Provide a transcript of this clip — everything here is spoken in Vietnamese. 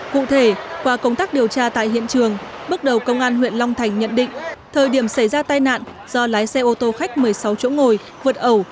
cụ thể qua công tác điều tra tại hiện trường bước đầu công an huyện long thành nhận định thời điểm xảy ra tai nạn do lái xe ô tô khách một mươi sáu chỗ ngồi vượt ẩu